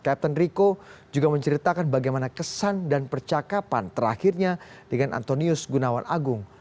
captain rico juga menceritakan bagaimana kesan dan percakapan terakhirnya dengan antonius gunawan agung